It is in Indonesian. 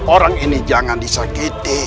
orang ini jangan disakiti